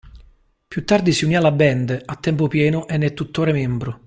Più tardi si unì alla band a tempo pieno e ne è tuttora membro.